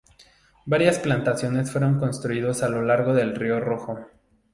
Varias plantaciones fueron construidos a lo largo del río Rojo.